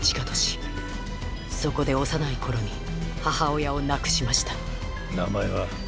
そこで幼い頃に母親を亡くしました名前は？